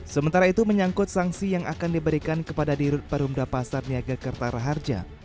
sementara itu menyangkut sanksi yang akan diberikan kepada dirut perumda pasar niaga kertara harja